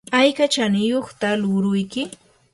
¿ayka chaniyuqtaq luuruyki?